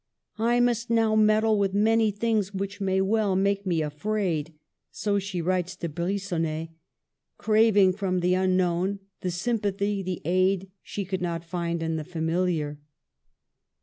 "' I must now med dle with many things which may well make me afraid," so she writes to Brigonnet, craving from the unknown the sympathy, the aid, she could not find in the familiar.